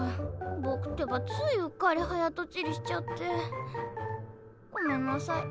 僕ってばついうっかり早とちりしちゃって。ごめんなさい。